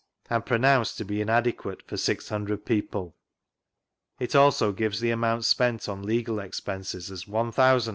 and pronounced to be inadequate for 600 people. It also gives the amount spent on legal ex penses as £i,ajy."